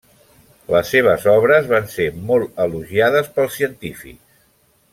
Les seves obres van ser molt elogiades pels científics.